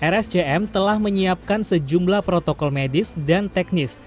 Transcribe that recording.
rscm telah menyiapkan sejumlah protokol medis dan teknis